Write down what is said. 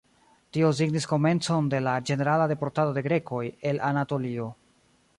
Tio signis komencon de la ĝenerala deportado de grekoj el Anatolio.